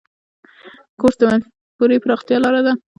کورس د مفکورې پراختیا لاره ده.